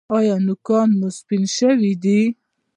ایا نوکان مو سپین شوي دي؟